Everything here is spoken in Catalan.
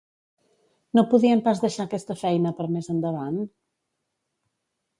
No podien pas deixar aquesta feina per més endavant?